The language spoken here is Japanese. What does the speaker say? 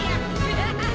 ハハハハ！